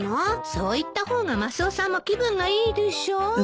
そう言った方がマスオさんも気分がいいでしょう。